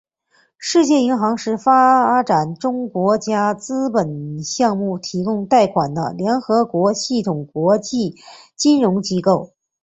世界银行是为发展中国家资本项目提供贷款的联合国系统国际金融机构。